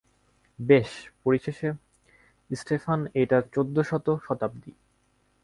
বেশ, পরিশেষে, স্টেফান, এইটা চৌদ্দশত শতাব্দী।